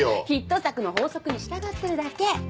ヒット作の法則に従ってるだけ。